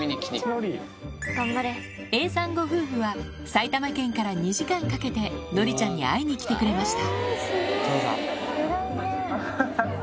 埼玉県から２時間かけてのりちゃんに会いに来てくれました